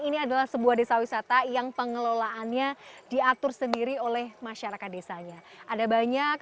ini adalah sebuah desa wisata yang pengelolaannya diatur sendiri oleh masyarakat desanya ada banyak